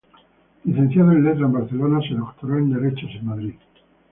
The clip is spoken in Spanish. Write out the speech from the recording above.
Licenciado en Letras en Barcelona, se doctoró en Derecho en Madrid.